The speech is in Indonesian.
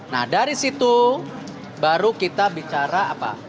nah dari situ baru kita bicara apa